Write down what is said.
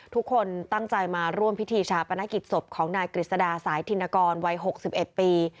ทุกคนตั้งใจมาร่วมพิธีชาปนกิจศพของนายกฤษดาสายธินกรวัย๖๑ปี